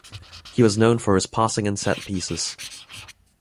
He was known for his passing and set pieces.